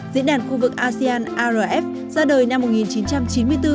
diễn đàn khu vực asean arf ra đời năm một nghìn chín trăm chín mươi bốn